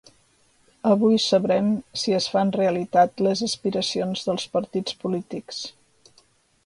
Avui sabrem si es fan realitat les aspiracions dels partits polítics.